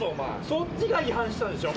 そっちが違反したでしょ？